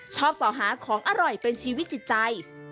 สอหาของอร่อยเป็นชีวิตจิตใจ